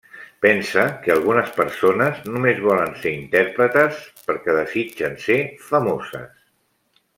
Pensa que algunes persones només volen ser interpretes perquè desitgen ser famoses.